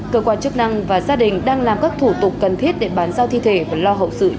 cơ quan chức năng và gia đình đang làm các thủ tục cần thiết để bán giao thi thể và lo hậu sự cho vợ chồng người bị nạn